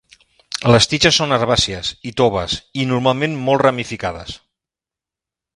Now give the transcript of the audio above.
Les tiges són herbàcies i toves i normalment molt ramificades.